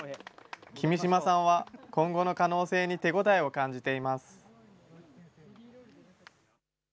君島さんは、今後の可能性に手応えを感じています。